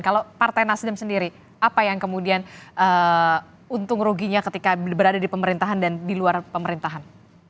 kalau partai nasdem sendiri apa yang kemudian untung ruginya ketika berada di pemerintahan dan di luar pemerintahan